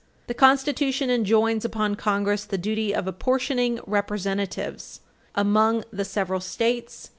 The Constitution enjoins upon Congress the duty of apportioning Representatives "among the several States